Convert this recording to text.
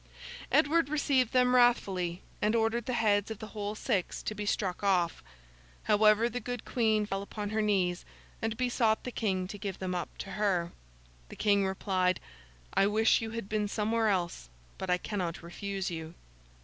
Edward received them wrathfully, and ordered the heads of the whole six to be struck off. However, the good Queen fell upon her knees, and besought the King to give them up to her. The King replied, 'I wish you had been somewhere else; but I cannot refuse you.